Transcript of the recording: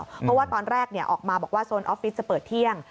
เพราะว่าตอนแรกออกมาบอกว่าโซนออฟฟิศจะเปิดเที่ยง